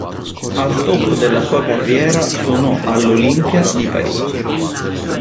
Al top della sua carriera suonò all'Olympia di Parigi.